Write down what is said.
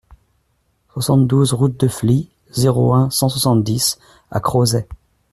soixante-douze route de Flies, zéro un, cent soixante-dix à Crozet